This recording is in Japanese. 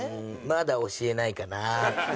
まだ教えないかな。